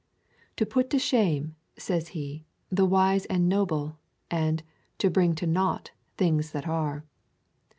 To put to shame, says he, the wise and noble, and to hyping to nought things that are.